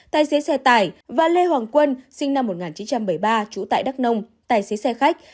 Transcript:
tài xế xe tải và lê hoàng quân sinh năm một nghìn chín trăm bảy mươi ba trú tại đắk nông tài xế xe khách